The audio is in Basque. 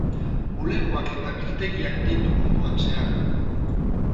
Bulegoak eta biltegiak ditu munduan zehar.